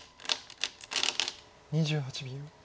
２８秒。